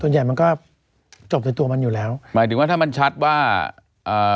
ใหญ่มันก็จบในตัวมันอยู่แล้วหมายถึงว่าถ้ามันชัดว่าอ่า